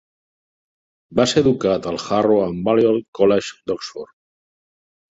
Va ser educat al Harrow and Balliol College d'Oxford.